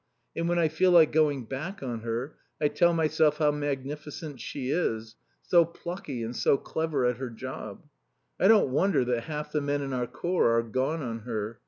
And when I feel like going back on her I tell myself how magnificent she is, so plucky and so clever at her job. I don't wonder that half the men in our Corps are gone on her.